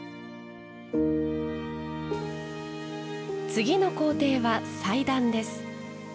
次の工程は裁断です。